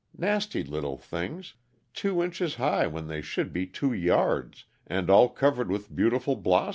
Nasty little things two inches high, when they should be two yards, and all covered with beautiful blossoms."